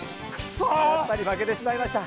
やっぱり負けてしまいました。